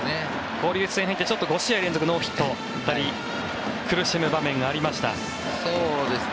交流戦に入って５試合連続ノーヒットだったり苦しむ場面がありました。